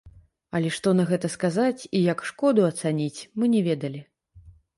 Але што на гэта сказаць і як шкоду ацаніць, мы не ведалі.